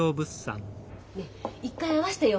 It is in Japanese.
ねっ一回会わしてよ。